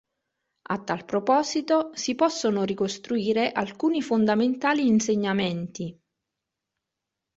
A tal proposito si possono ricostruire alcuni fondamentali insegnamenti.